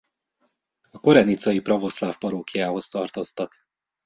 A korenicai pravoszláv parókiához tartoztak.